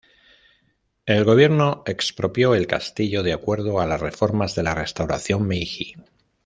El gobierno expropió el castillo de acuerdo a las reformas de la Restauración Meiji.